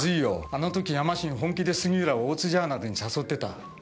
あの時ヤマシン本気で杉浦を大津ジャーナルに誘ってた。